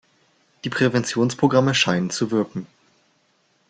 Die Präventionsprogramme scheinen zu wirken.